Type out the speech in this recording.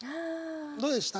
どうでした？